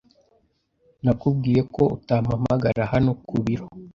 Nakubwiye ko utampamagara hano ku biro.